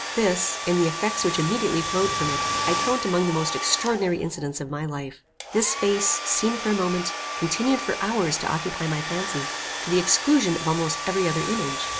This, in the effects which immediately flowed from it, I count among the most extraordinary incidents of my life. This face, seen for a moment, continued for hours to occupy my fancy, to the exclusion of almost every other image.